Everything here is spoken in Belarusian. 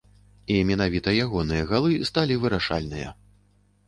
І менавіта ягоныя галы сталі вырашальныя.